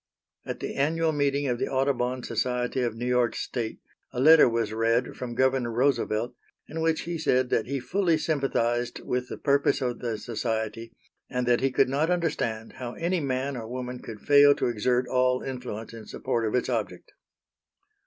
At the annual meeting of the Audubon Society of New York state a letter was read from Governor Roosevelt in which he said that he fully sympathized with the purpose of the society and that he could not understand how any man or woman could fail to exert all influence in support of its object.